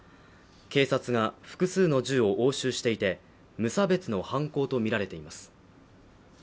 警察が複数の銃を押収していて、無差別の犯行とみられています。